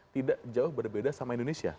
tidak jauh berbeda sama indonesia